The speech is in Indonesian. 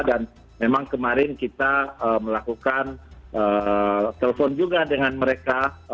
dan memang kemarin kita melakukan telpon juga dengan mereka